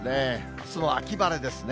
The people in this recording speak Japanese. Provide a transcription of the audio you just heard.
あすも秋晴れですね。